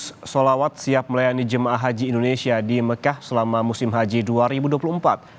sementara itu empat ratus lima puluh bus solawat siap melayani jemaah haji indonesia di mekah selama musim haji tahun dua ribu dua puluh empat